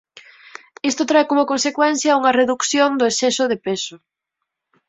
Isto trae como consecuencia unha redución do exceso de peso.